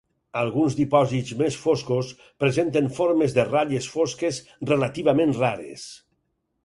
Alguns dipòsits més foscos presenten formes de ratlles fosques relativament rares.